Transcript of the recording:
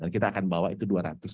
dan kita akan bawa itu dua ratus